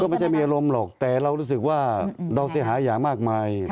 ไม่ใช่มีอารมณ์หรอกแต่เรารู้สึกว่าเราเสียหายอย่างมากมาย